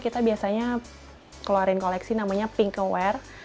kita biasanya keluarin koleksi namanya pink aware